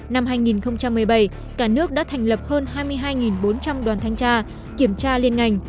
năm hai nghìn một mươi bảy cả nước đã thành lập hơn hai mươi hai bốn trăm linh đoàn thanh tra kiểm tra liên ngành